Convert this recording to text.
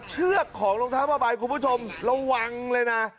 เชือกของรองเท้าผ้าใบคุณผู้ชมระวังเลยนะ